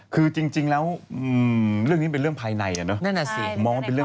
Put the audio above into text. คือจริงแล้วเรื่องนี้เป็นเรื่องภายในอะเนอะ